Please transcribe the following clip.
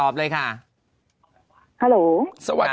ไม่ใช่ค่ะ